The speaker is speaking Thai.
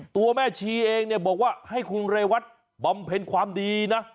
ตัวแม่ชีเองเนี่ยบอกว่าให้คุณเรวัตบำเพ็ญความดีนะ